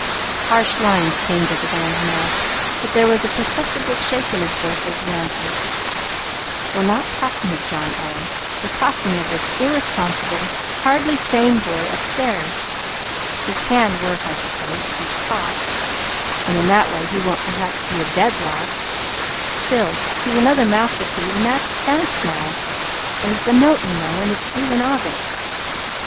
Harsh lines came to the man's mouth, but there was a perceptible shake in his voice as he answered: "We're not talking of John, Ellen. We're talking of this irresponsible, hardly sane boy upstairs. He can work, I suppose, if he's taught, and in that way he won't perhaps be a dead loss. Still, he's another mouth to feed, and that counts now. There's the note, you know, it's due in August."